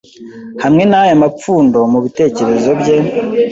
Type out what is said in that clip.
Hamwe naya mapfundo mubitekerezo bye